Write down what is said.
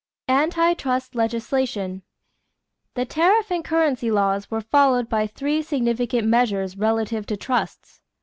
=Anti trust Legislation.= The tariff and currency laws were followed by three significant measures relative to trusts.